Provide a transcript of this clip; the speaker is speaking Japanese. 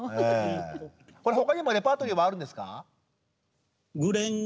これ他にもレパートリーはあるんですか？